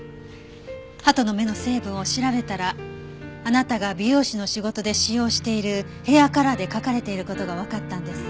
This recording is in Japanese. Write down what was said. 鳩の目の成分を調べたらあなたが美容師の仕事で使用しているヘアカラーで描かれている事がわかったんです。